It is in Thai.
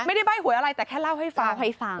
ไม่ได้ใบ้หวยอะไรแต่แค่เล่าให้ฟังให้ฟัง